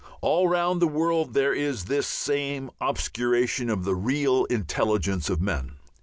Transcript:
All round the world there is this same obscuration of the real intelligence of men.